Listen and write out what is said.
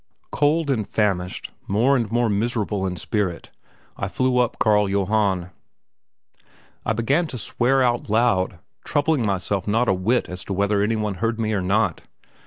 Cold and famished, more and more miserable in spirit, I flew up Carl Johann. I began to swear out aloud, troubling myself not a whit as to whether any one heard me or not.